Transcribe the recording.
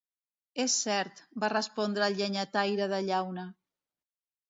"És cert", va respondre el Llenyataire de Llauna.